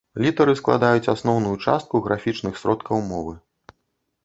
Літары складаюць асноўную частку графічных сродкаў мовы.